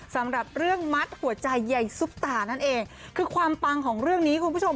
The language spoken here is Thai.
สำหรับเรื่องมัดหัวใจใยซุปตานั่นเองคือความปังของเรื่องนี้คุณผู้ชม